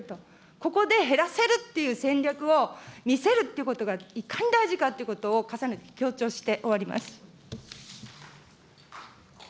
ここで減らせるっていう戦略を見せるっていうことがいかに大事かってことを、重ねて強調して終わります。